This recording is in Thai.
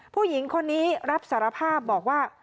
ผู้หญิงคนนี้รับสารภาพบอกว่า